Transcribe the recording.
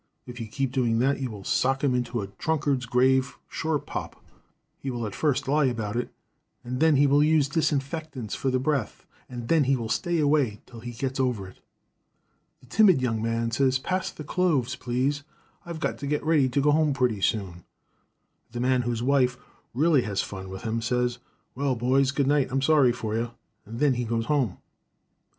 If you keep doing that you will sock him into a drunkard's grave, sure pop. He will at first lie about it, then he will use disinfectants for the breath, and then he will stay away till he gets over it. The timid young man says, 'Pass the cloves, please. I've got to get ready to go home pretty soon.' The man whose wife really has fun with him says, 'Well, boys, good night. I'm sorry for you.' Then he goes home.